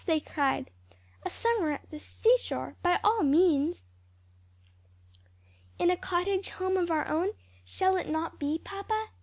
they cried, "a summer at the seashore, by all means." "In a cottage home of our own; shall it not be, papa?"